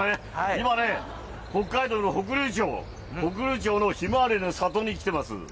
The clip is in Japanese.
今ね、北海道の北竜町、北竜町のひまわりの里に来ています。